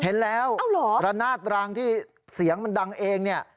เห็นแล้วระนาดรางที่เสียงมันดังเองเนี่ย